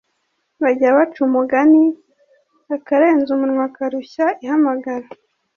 bajya baca umugani akarenze umunwa karushya ihamagara